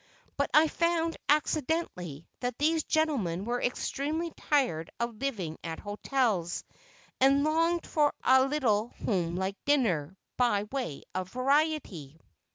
"But I found, accidentally, that these gentlemen were extremely tired of living at hotels, and longed for a little home like dinner, by way of variety."